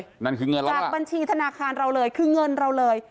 จากบัญชีธนาคารเราเลยคือเงินเราเลย